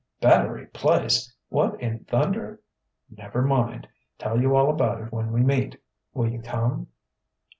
"Battery Place! What in thunder " "Never mind tell you all about it when we meet. Will you come?"